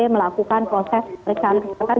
melakukan proses pemeriksaan